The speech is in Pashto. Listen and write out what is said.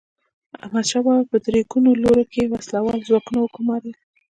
احمدشاه بابا په درې ګونو لورو کې وسله وال ځواکونه وګمارل.